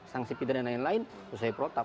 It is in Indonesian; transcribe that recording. sanksi pindah dan lain lain sesuai protak